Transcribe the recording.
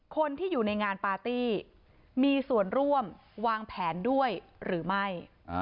คนที่อยู่ในงานปาร์ตี้มีส่วนร่วมวางแผนด้วยหรือไม่